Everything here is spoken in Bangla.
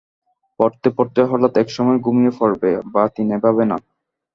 পড়তে-পড়তে হঠাৎ এক সময় ঘুমিয়ে পড়বে, বাতি নেভাবে না।